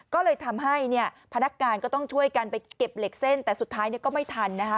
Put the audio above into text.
ก็เลยทำให้เนี่ยพนักงานก็ต้องช่วยกันไปเก็บเหล็กเส้นแต่สุดท้ายเนี่ยก็ไม่ทันนะคะ